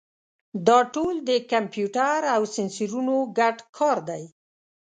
دا ټول د کمپیوټر او سینسرونو ګډ کار دی.